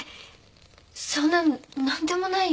そんな何でもないよ。